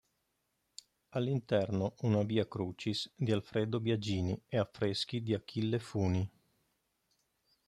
All'interno una "Via Crucis" di Alfredo Biagini e affreschi di Achille Funi.